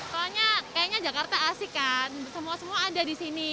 soalnya kayaknya jakarta asik kan semua semua ada disini